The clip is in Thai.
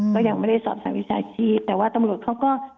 ก็ยังไม่ได้สอบถามวิชาชีพแต่ว่าตำรวจเขาก็